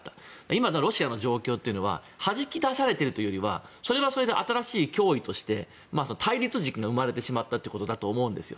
今、ロシアの状況というのははじき出されているというよりはそれはそれで新しい脅威として対立軸が生まれてしまったということだと思うんです。